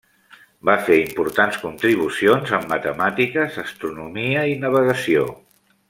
Va fer importants contribucions en matemàtiques, astronomia i navegació.